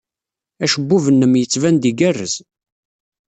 Acebbub-nnem yettban-d igerrez.